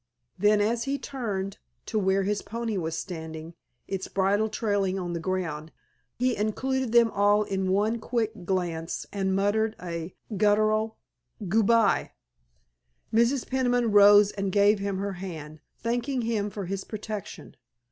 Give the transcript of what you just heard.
Then as he turned to where his pony was standing, its bridle trailing on the ground, he included them all in one quick glance and muttered a guttural "goo bye." Mrs. Peniman rose and gave him her hand, thanking him for his protection.